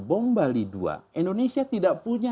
bom bali dua indonesia tidak punya